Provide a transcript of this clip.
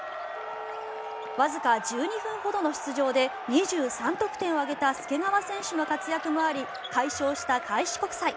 わずか１２分ほどの出場で２３得点を挙げた介川選手の活躍もあり快勝した開志国際。